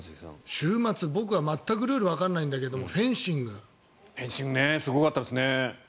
週末、僕は全くルールがわからないんだけどすごかったですね。